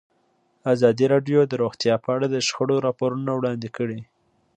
ازادي راډیو د روغتیا په اړه د شخړو راپورونه وړاندې کړي.